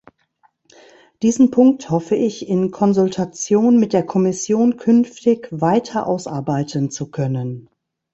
Diesen Punkt hoffe ich in Konsultation mit der Kommission künftig weiter ausarbeiten zu können.